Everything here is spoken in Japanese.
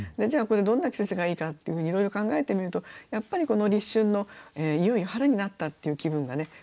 じゃあこれどんな季節がいいかっていうふうにいろいろ考えてみるとやっぱりこの「立春」のいよいよ春になったっていう気分がね